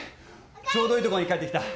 ちょうどいいとこに帰って来た。